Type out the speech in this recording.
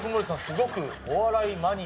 すごく。